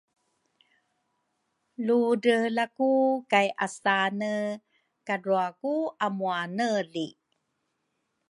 ludreelaku kaiasane kadrua ku amuaneli.